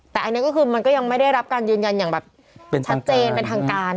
แต่อันนี้ก็คือมันก็ยังไม่ได้รับการยืนยันอย่างแบบชัดเจนเป็นทางการ